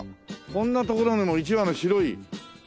こんな所にも一羽の白い。